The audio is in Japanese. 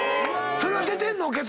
⁉それは出てんの⁉結論。